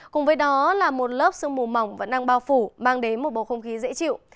cùng với đó là một lớp sương mù mỏng vẫn đang bao phủ mang đến một bầu không khí dễ chịu